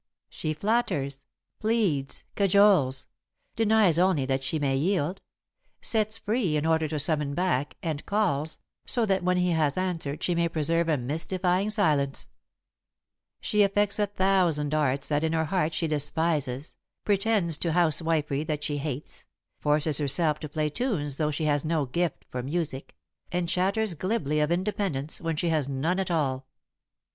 She flatters, pleads, cajoles; denies only that she may yield, sets free in order to summon back, and calls, so that when he has answered she may preserve a mystifying silence. [Sidenote: Her Estimate of Women] She affects a thousand arts that in her heart she despises, pretends to housewifery that she hates, forces herself to play tunes though she has no gift for music, and chatters glibly of independence when she has none at all.